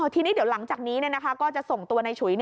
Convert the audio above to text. ทีนี้เดี๋ยวหลังจากนี้ก็จะส่งตัวในฉุย